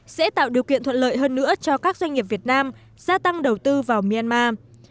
sẽ tạo điều kiện thuận lợi hơn nữa cho các doanh nghiệp việt nam gia tăng đầu tư vào myanmar